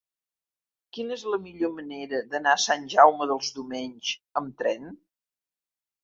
Quina és la millor manera d'anar a Sant Jaume dels Domenys amb tren?